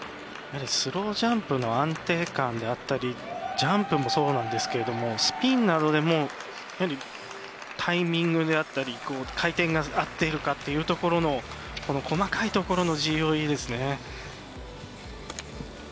スロージャンプの安定感であったりジャンプもそうなんですけどスピンなどでもタイミングであったり回転が合っているかというところの細かいところのＧＯＥですね。